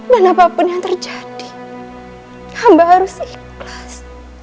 dan apapun yang terjadi hamba harus ikhlas